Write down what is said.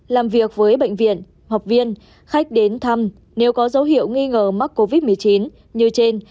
làm việc với bệnh viện học viên khách đến thăm nếu có dấu hiệu nghi ngờ mắc covid một mươi chín như trên